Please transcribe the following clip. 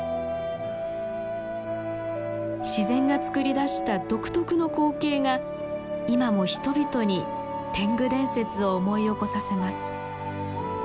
自然がつくり出した独特の光景が今も人々に天狗伝説を思い起こさせます。